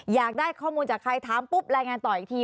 อยากได้ข้อมูลจากใครถามปุ๊บรายงานต่ออีกที